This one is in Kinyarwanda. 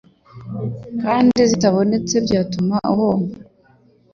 kandi zitabonetse byatuma uhomba